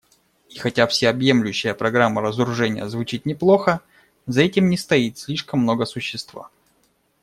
И хотя всеобъемлющая программа разоружения звучит неплохо, за этим не стоит слишком много существа.